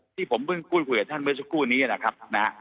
ที่ผมเพิ่งคุยกับเจ้านใบชุดคู่นี้นะครับ